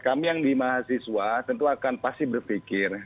kami yang di mahasiswa tentu akan pasti berpikir